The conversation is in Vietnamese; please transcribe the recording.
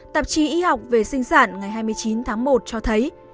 tạp chí y học về sinh sản ngày hai mươi chín tháng một cho thấy